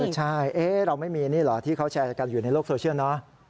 ใช่เราไม่มีนี่เหรอที่เขาแชร์กันอยู่ในโลกโซเชียลเนอะ